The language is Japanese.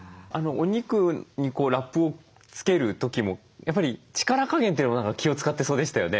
お肉にラップをつける時もやっぱり力加減というのも何か気を遣ってそうでしたよね？